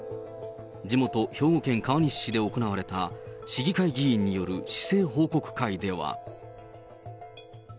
地元、兵庫県川西市で行われた市議会議員による市政報告会では。